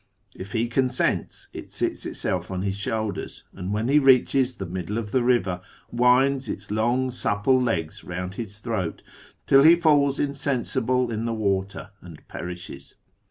If he consents, it ^cats itself on his shoulders, and, when he reaches the niddle of the river, winds its long supple legs round his throat ill he falls insensible in the water and perishes.